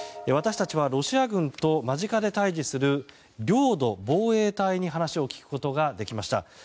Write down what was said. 私たちはロシア軍と間近で対峙する領土防衛隊に話を聞くことができました。